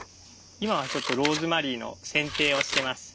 今はちょっとローズマリーの剪定をしてます。